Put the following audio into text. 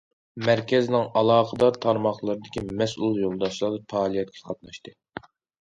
مەركەزنىڭ ئالاقىدار تارماقلىرىدىكى مەسئۇل يولداشلار پائالىيەتكە قاتناشتى.